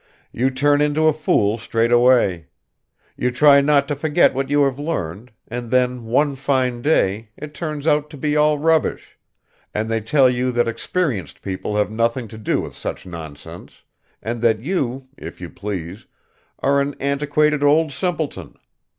You turn into a fool straight away. You try not to forget what you have learned and then one fine day it turns out to be all rubbish, and they tell you that experienced people have nothing to do with such nonsense, and that you, if you please, are an antiquated old simpleton.